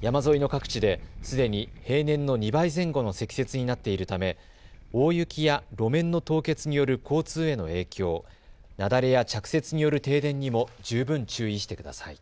山沿いの各地ですでに平年の２倍前後の積雪になっているため大雪や路面の凍結による交通への影響、雪崩や着雪による停電にも十分注意してください。